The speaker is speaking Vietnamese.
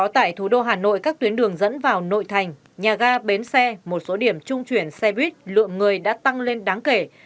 tại thủ đô hà nội các tuyến đường dẫn vào nội thành nhà ga bến xe một số điểm trung chuyển xe buýt lượng người đã tăng lên đáng kể